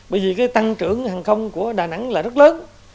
bởi vì cái tăng trưởng hàng không của đà nẵng là rất lớn